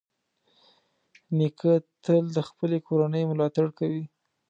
نیکه تل د خپلې کورنۍ ملاتړ کوي.